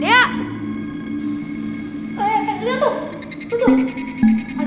kayaknya tuh tuh tuh